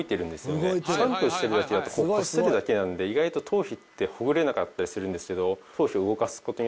シャンプーしてるだけだとこするだけなんで意外と頭皮ってほぐれなかったりするんですけど。